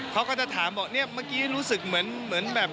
เขาก็จะถามบอกเนี่ยเมื่อกี้รู้สึกเหมือนแบบ